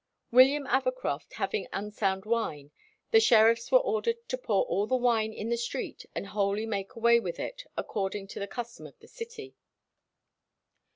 William Avecroft having unsound wine, the sheriffs were ordered to pour all the wine in the street and wholly make away with it, according to the custom of the city.